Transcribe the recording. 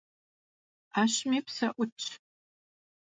'eşmi pse 'Utş.